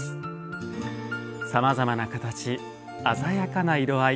さまざまな形鮮やかな色合い。